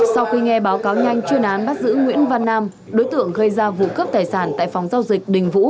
sau khi nghe báo cáo nhanh chuyên án bắt giữ nguyễn văn nam đối tượng gây ra vụ cướp tài sản tại phòng giao dịch đình vũ